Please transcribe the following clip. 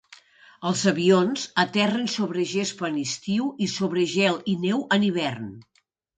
Els avions aterren sobre gespa en estiu i sobre gel i neu en hivern.